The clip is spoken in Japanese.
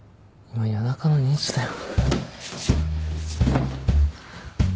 今夜中の２時だよ。